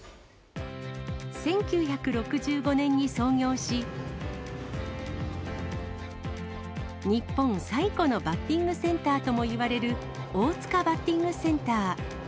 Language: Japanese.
１９６５年に創業し、日本最古のバッティングセンターともいわれる大塚バッティングセンター。